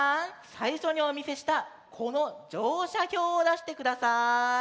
さいしょにおみせしたこのじょうしゃひょうをだしてください。